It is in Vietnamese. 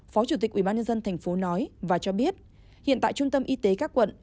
phó chủ tịch ubnd thành phố nói và cho biết hiện tại trung tâm y tế các quận